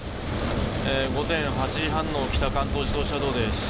午前８時半の北関東自動車道です。